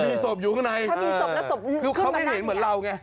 ถ้ามีสบอยู่ข้างในเออใช่ค่ะซึ่งเขาไม่เห็นเหมือนเราไง